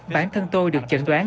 bản thân tôi được chẩn đoán